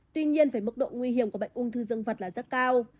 tuy nhiên về mức độ nguy hiểm của bệnh ung thư dân vật là rất cao